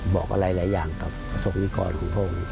บอกอะไรหลายอย่างกับประสบนิกรของพระองค์